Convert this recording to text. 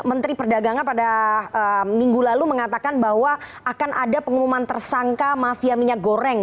menteri perdagangan pada minggu lalu mengatakan bahwa akan ada pengumuman tersangka mafia minyak goreng